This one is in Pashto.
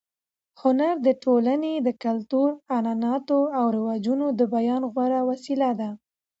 هنر د ټولنې د کلتور، عنعناتو او رواجونو د بیان غوره وسیله ده.